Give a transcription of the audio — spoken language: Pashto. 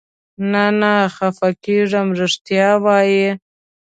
نه، نه خفه کېږم، رښتیا وایې؟